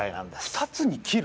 ２つに切る？